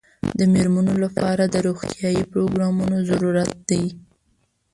د مېرمنو لپاره د روغتیايي پروګرامونو ضرورت دی.